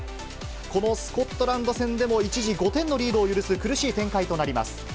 このスコットランド戦でも一時、５点のリードを許す苦しい展開となります。